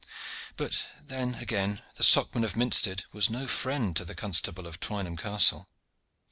But then, again, the Socman of Minstead was no friend to the Constable of Twynham Castle.